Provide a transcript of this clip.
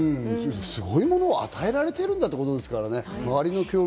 すごいものを与えられているんだということですね。